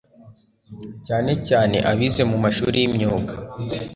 cyane cyane abize mu mashuri y'imyuga